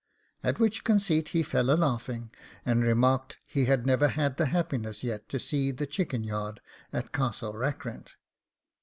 At which conceit he fell a laughing, and remarked he had never had the happiness yet to see the chicken yard at Castle Rackrent.